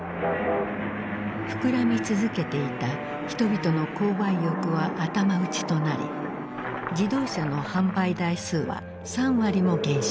膨らみ続けていた人々の購買欲は頭打ちとなり自動車の販売台数は３割も減少。